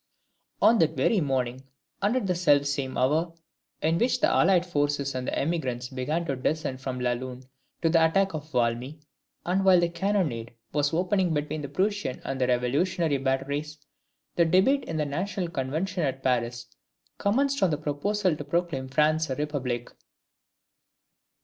On that very morning, and at the self same hour, in which the allied forces and the emigrants began to descend from La Lune to the attack of Valmy, and while the cannonade was opening between the Prussian and the Revolutionary batteries, the debate in the National Convention at Paris commenced on the proposal to proclaim France a Republic.